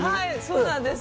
そうなんです。